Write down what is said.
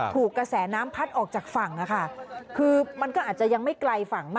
แล้วก็ไปเจอผู้ชายผู้หญิงสองคนซึ่งเป็นคู่รักชาวกะเหลี่ยง